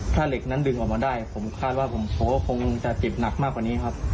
ถ้าเหล็กนั้นดึงออกมาได้ผมคาดว่าผมว่าคงจะเจ็บหนักมากกว่านี้ครับ